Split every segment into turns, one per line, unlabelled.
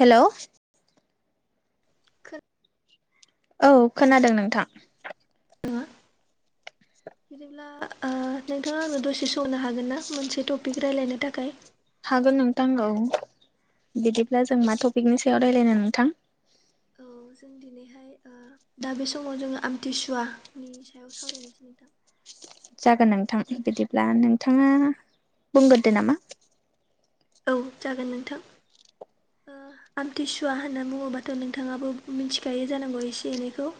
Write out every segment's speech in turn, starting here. Hello
खो
औ खोनादों नोंथां
[unintelligible] [unintelligible] आ नोंथाङा आंनो दसे सनो हागोन ना मोनसे टपिक रायलायनो थाखाय
हागोन नोंथां औ बिदिब्ला जों मा टपिकनि सायाव रायलायनो नोंथां
औ जों दिनैहाय ओ दा बे समाव जोङो आमथिसुवानि सायाव सावरायनोसै नोंथां
जागोन नोंथां बिदिब्ला नोंथाङा बुंगोरदो नामा
औ जागोन नोंथां ओ आमथिसुवा होनना बुङोबाथ' नोंथाङाबो मिथिखायो जानांगौ एसे एनैखौ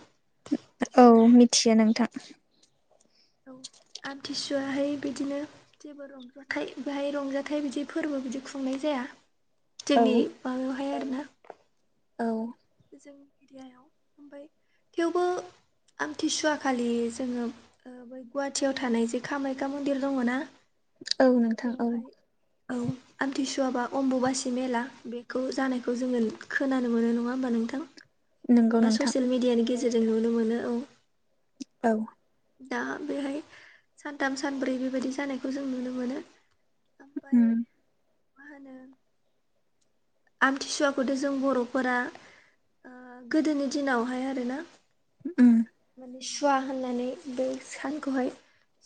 औ
ओ
मिथियो नोंथां
औ आमथिसुवाहाय बिदिनो जेबो रं जाथाइ बेहाय रंजाथाइ बिदि फोरबो बिदि खुंनाय जाया
औ
जोंनि माबायावहाय आरोना
औ
जोंनि एरियायाव ओमफाय थेवबो आमथिसुवा खालि जोङो ओ बै गुवाहाटियाव थानाय जे कामाख्या मन्दिर दङ ना
औ नोंथां औ
बेवहाय औ आमथिसुवाबा अमबुबासि मेला बेखौ जानायखौ जोङो खोनानो मोनो नङा होमबा नोंथां
नंगौ
बा
नोंथां
ससियेल मिडियानि गेजेरजों नुनो मोनो औ
औ
दा बेहाय सानथाम सानब्रै बेबायदि जानायखौ जों नुनो मोनो ओमफाय
उम
मा होनो आमथिसुवाखौथ जों बर'फोरा ओ गोदोनि दिनावहाय आरोना
उम
माने सुवा होननानै बे सानखौहाय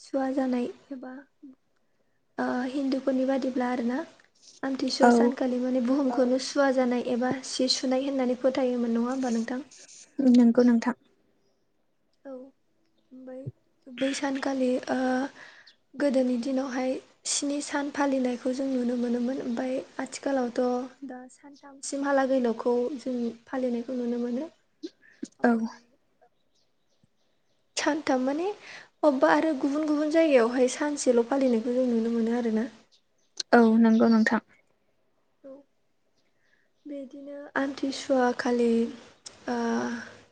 सुवा जानाय एबा ओ हिन्दुफोरनि बादिब्ला आरो ना आमथि सुवा
औ
सानखालि माने बुहुम खौनो सुवा जानाय एबा सि सुनाय होननानै फोथायोमोन नङा होमबा नोंथां
नोंगौ नोंथां
औ बै बै सानखालि गोदोनि दिनावहाय स्नि सान फालिनायखौ जों नुनो मोनोमोन ओमफाय आथिखालावथ' दा सान सानथामसिम हालागैल'खौ जों फालिनायखौ नुनो मोनो
औ
ओमफाय सानथाम माने अब्बा आरो गुबुन गुबुन जायगायावहाय सानसेल' फालिनायखौ [unintelligible] नुनो मोनो आरो ना
औ नोंगौ नोंथां
औ बेदिनो आमथिसुवा खालि ओ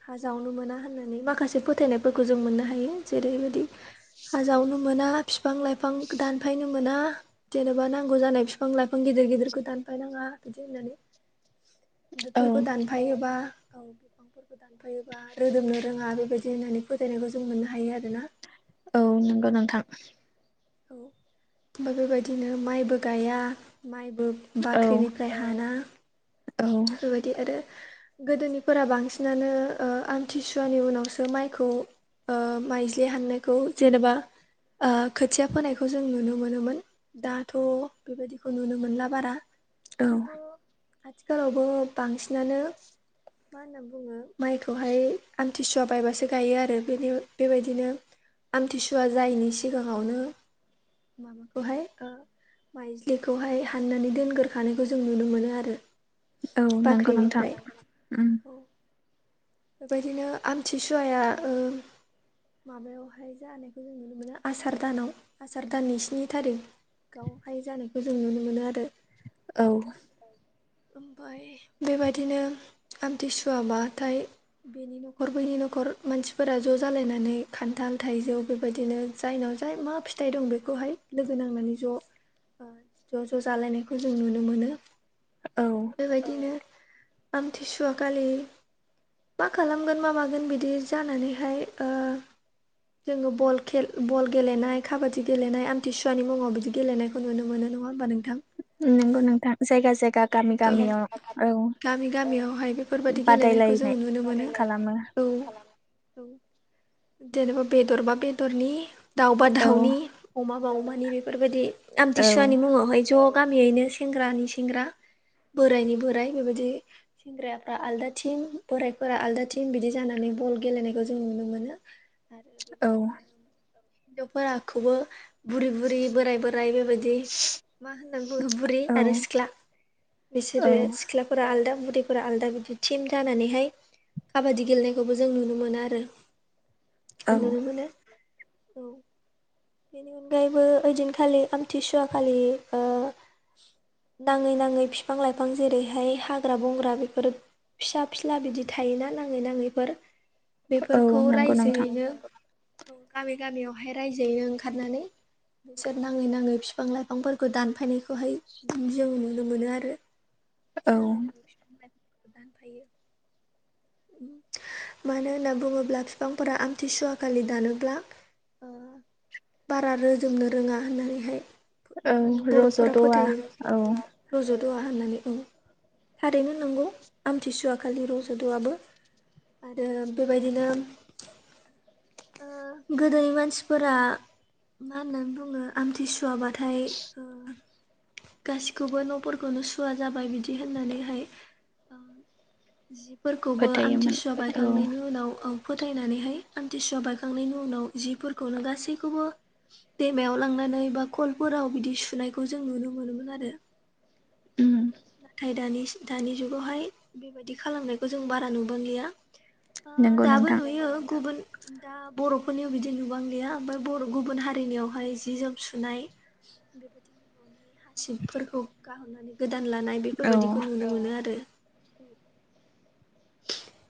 हा जावनो मोना होननानै माखासे फोथायनायफोरखौ जों मोननो हायो जेरैबायदि हाजावनो मोना बिफां लाइफां दानफायनो मोना जेनेबा नांगौ जानाय फिफां लाइफां गेदेर गेदेरखौ दानफायनाङा बिदि होननानै
औ
बेफोरखौ दानफायोबा औ फोरफोरखौ दानफायोबा रोदोमनो रोङा बेबायदि होननानै फोथायनायखौ जों नुनो हायो आरोना
औ नोंगौ नोंथां
औ बेबेबायदिनो माइबो गाया माइबो
औ
बाख्रिनिफ्राय हाना
औ
बिदि आरो गोदोनिफोरा बांसिनानो ओ आमथिसुवानि उनावसो माइखौ ओ माइज्लि हाननायखौ जेनेबा ओ खोथिया फोनायखौ जों नुनो मोनोमोन दाथ' बेबायदिखौ नुनो मोनला बारा
औ
थेवबो सिगाङावबो बांसिनानो मा होनना बुङो माइखौहाय आमथिसुवा बायबासो गायो आरो बे बे बेबायदिनो आमथिसुवा जायैनि सिगाङावनो माबाखौहाय माइज्लिखौहाय हाननानै दोनगोरोखानायखौ जों नुनो मोनो आरो।
औ नंगौ नोंथां
बाख्रिनिफ्राय
उम।
औ बेबायदिनो आमथिसुवाया ओ माबायावहाय जानायखौ जों नुनो मोनो आसार दानाव आसार दाननि स्नि थारिख- गावहाय जानायखौ जों नुनो मोनो आरो।
औ
ओमफ्राय बेबायदिनो आमथिसुवा बाथाय बेनि न'खर बैनि न'खर मानसिफोरा ज' जालायनानै खान्थाल थाइजौ बेबायदिनो जायनाव जाय मा फिथाइ दं बेखौहाय लोगो नांनानै ज' ज' ज' जालायनायखौ जों नुनो मोनो।
औ
बेबायदिनो आमथिसुवाखालि मा खालामगोन मा मागोन बिदि जानानैहाय जोङो बल गेलेनाय काबादि गेलेनाय आमथिसुवानि मुङाव बिदि गेलेनाय खौ नुनो मोन नङा होमबा नोंथां।?
नोंगौ नोंथां जायगा जायगा गामि
औ
गामियाव औ
गामि गामियावहाय बेफोरबायदि गेलेनायखौ जोङो
बादायलायनाय
नुनो मोनो
खालामो।
औ औ जेनेबा बेदरबा बेदरनि दाउबा
औ
दाउनि अमाबा अमानि बेफोरबायदि
औ
आमथिसुवानि मुङावहाय ज' गामियैनो सेंग्रानि सेंग्रा बोराइनि बोराय बेबायदि सेंग्राफ्रा आलदा टिम बोराइफोरा आलदा टिम बिदि जानानै बल गेलेनायखौ जों नुनो मोनो। आरो
औ
बेबादिनो हिन्जावफोराखौबो बुरि बुरि बोराय बोराय बेबायदि मा होननानै बुङो बुरै
औ
आरो सिख्ला बिसोरो
औ
सिख्लाफोरा आलदा बुरैफोरा आलादा बिदि थिम जानानैहाय खाबादि गेलेनायखौबो जों नुनो मोनो आरो।
औ
नुनो मोनो औ। बेनि अनगायैबो ओइदिनखालि आमथिसुवा खालि नाङै नाङै बिफां लाइफां जेरैहाय हाग्रा बंग्रा बेफोरो फिसा फिस्ला बिदि थायोना नाङै नाङैफोर
औ
बेफोरखौ
नंगौ नोंथां
रायजोयैनो गामि गामियावहाय रायजोयैनो ओंखारनानै बिसोर नाङै नाङै फिफां लाइफांफोरखौ दानफायनायखौहाय जों नुनो मोनो आरो।
औ
मानो होनना बुङोब्ला बिफांफोरा आमथिसुवा खालि दानोब्ला बारा रोजोबनो रोङा होननानैहाय मा
औ
होनो बर'फोरा
रज'द'वा
फोथायो।
औ
रज'द'आ होननानै आ थारैनो नंगौ आमथिसुवा खालि रज'द'आबो आरो बेबायदिनो गोदोनि मानसिफोरा मा होननानै बुङो। आमथिसुवाबाथाय गासिखौबो न'फोरखौनो सुवा जाबाय बिदि होननानैहाय- जिफोरखौबो
फोथायोमोन
आमथिसुवा
औ
बायखांनायनि उनाव फोथायनानैहाय आमथिसुवा बायखांनायनि उनाव जिफोरखौनो गासैखौबो दैमायाव लांनानै बा कलफोराव बिदि सुनायखौ जों नुनो मोनोमोन आरो
उम
औ नाथाय दानि दानि जुगावहाय बेबायदि खालामनायखौ जों बारा नुबांलिया आ
नंगौ
दाब
नोंथां
नुयो गुबोन दा बर'फोरनियाव बिदि नुबां गैया ओमफ्राय बर' गुबुन हारिनियावहाय जि जोम सुनाय बेबायदिनो न'नि हासिबफोरखौ गाहरनानै गोदान लानाय
औ
बेफोरबायदिखौ नुनो मोनो आरो।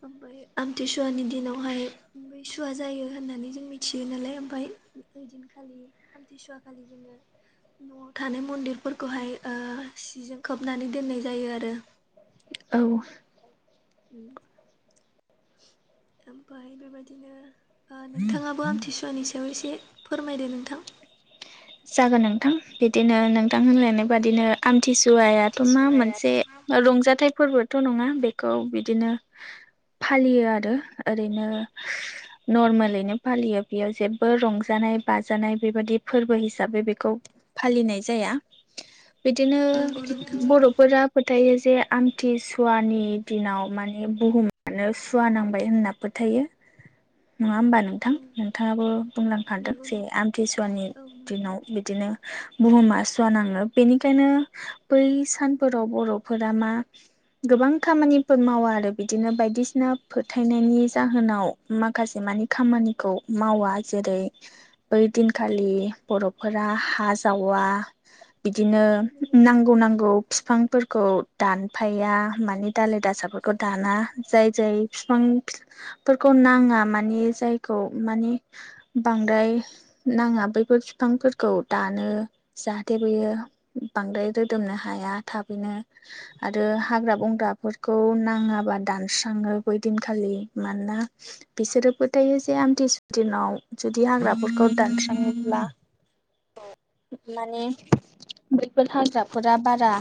ओमफ्राय आमथिसुवानि दिनावहाय सुवा जायो होननानै जों मिथियो नालाय ओमफ्राय ओइ दिनखालि आथि सुवा खालि जोङो न'आव थानाय मन्दिरफोरखौहाय सिजों खोबनानै दोननाय जायो आरो
औ
उम ओमफाय बेबायदिनो ओ नोंथाङाबो आमथिसुवानि सायाव एसे फोरमायदो नोंथां
जागोन नोंथां बिदिनो नोंथां होनलायनाय बादिनो आमथिसुवायाथ' मा
आमथिसुवायाथ'
मोनसे
मा
रंजाथाइ फोरबोथ' नङा बेखौ बिदिनो फालियो आरो ओरैनो नर्मेलैनो फालियो बेयाव जेबो रंजानाय बाजानाय बेबायादि फोरबो हिसा हिसाबै बेखौ फालिनाय जाया बिदिनो
नंगौ नोंथां
बर' फोर फोथायो जे आमथि सुवानि दिनाव माने बुहुमानो सुवा नांबाय होनना फोथायो नङा होमबा नोंथां
औ
नोंथाङाबो बुंलांखादों
नंगौ
जे
नोंथां
आमथिसुवानि
औ नंगौ
दिनाव बिदिनो बुहुमा सुवा नाङो बेनिखायनो बै सानफोराव बर'फोरा मा गोबां खामानिफोर मावा आरो बिदिनो बायदिसिना फोथायनायनि जाहोनाव माखासे मानि खामानिखौ मावा जेरै बै दिनखालि बर'फोरा हा जावा बिदिनो
नंगौ
नांगौ नांगौ बिफांफोरखौ दानफाया माने दाालाय दासाफोरखौ दाना जाय जाय बिफां फोरखौ नाङा मानि जायखौ मानिे बांद्राय नाङा बैफोर बिफांफोरखौ दानो जाहाथे बियो बांद्राय रोदोमनो हाया थाबैनो आरो हाग्रा बंग्राफोरखौ नाङाबा दानस्राङो बै दिनखालि मानोना बिसोरोबो थायो जे आमथिसु दिनाव जुदि हाग्राफोरखौ दानस्राङोब्ला
[unintelligible]
माने बैफोर हाग्राफोरा बारा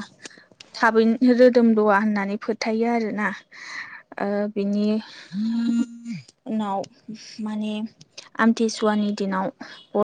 थाबैनो रो [unintelligible] होननानै फोथायो आरोना बिनि उनाव माने आमथिसुवानि दिनाव